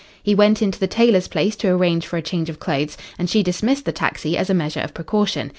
He went into the tailor's place to arrange for a change of clothes, and she dismissed the taxi as a measure of precaution.